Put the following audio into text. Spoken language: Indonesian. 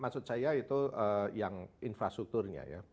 maksud saya itu yang infrastrukturnya ya